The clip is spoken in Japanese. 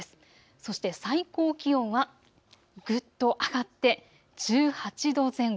そして最高気温はぐっと上がって１８度前後。